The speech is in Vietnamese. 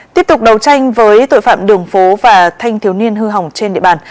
tiếp tục đấu tranh với tội phạm đường phố và thanh thiếu niên hư hỏng trên địa bàn